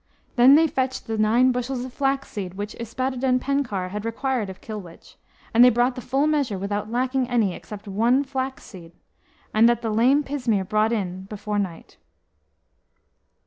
Then they fetched the nine bushels of flax seed which Yspadaden Penkawr had required of Kilwich, and they brought the full measure, without lacking any, except one flax seed, and that the lame pismire brought in before night.